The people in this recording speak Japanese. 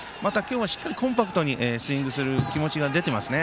しっかりコンパクトにスイングする気持ちが出てますね。